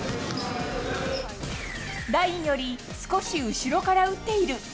ラインより少し後ろから打っている。